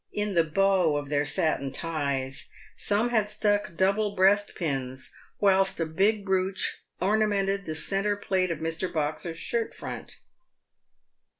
In the bow of their satin ties some had stuck double breast pins, whilst a big brooch ornamented the centre plait of Mr. Boxer's shirt front.